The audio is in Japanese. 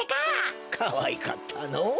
かわいかったのぉ。